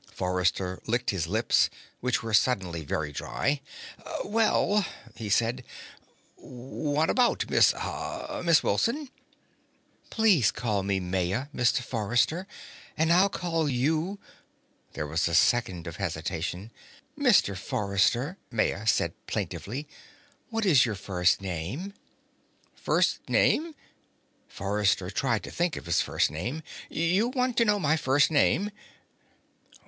Forrester licked his lips, which were suddenly very dry. "Well," he said. "What about, Miss uh Miss Wilson?" "Please call me Maya, Mr. Forrester. And I'll call you " There was a second of hesitation. "Mr. Forrester," Maya said plaintively, "what is your first name?" "First name?" Forrester tried to think of his first name. "You want to know my first name?"